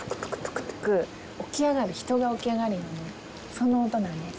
その音なんです。